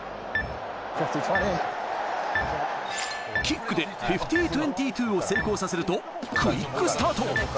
キックで５０：２２を成功させるとクイックスタート。